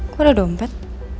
kok ada dompet